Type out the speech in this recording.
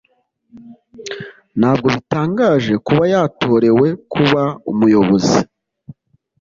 Ntabwo bitangaje kuba yatorewe kuba umuyobozi